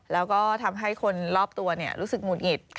แล้วก็ทำให้คนรอบตัวรู้สึกหงุดหงิด